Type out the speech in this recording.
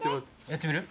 やってみる？